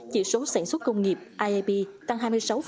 chỉ số sản xuất công nghiệp iap tăng hai mươi sáu chín